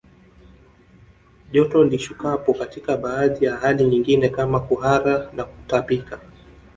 Joto lishukapo katika baadhi ya hali nyingine kama kuhara na kutapika